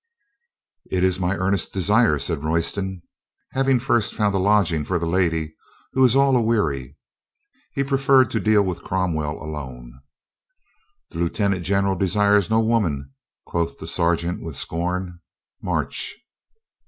"It is my earnest desire," said Royston. "Hav ing first found a lodging for the lady, who is all aweary." He preferred to deal with Cromwell alone. "The lieutenant general desires no women," quoth the sergeant with scorn. "March